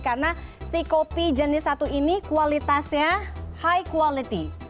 karena si kopi jenis satu ini kualitasnya high quality